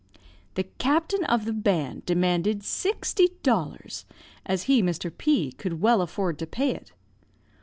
"The captain of the band demanded sixty dollars, as he, Mr. P , could well afford to pay it.